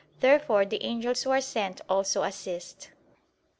Therefore the angels who are sent also assist.